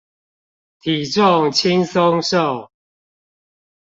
體重輕鬆瘦